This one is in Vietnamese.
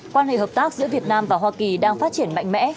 quan hệ hợp tác giữa việt nam và hoa kỳ đang phát triển mạnh mẽ